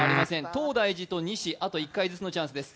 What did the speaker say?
東大寺と西、あと１回のチャンスです。